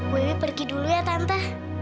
wiwi pergi dulu ya tante